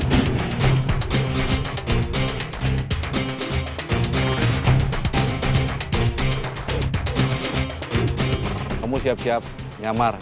kamu siap siap nyamar